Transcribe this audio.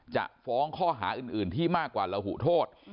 จะฟ้องข้อหาอื่นที่มากกว่าระหุโทษ